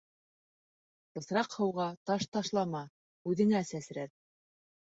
Бысраҡ һыуға таш ташлама: үҙеңә сәсрәр.